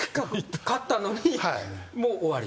買ったのにもう終わり？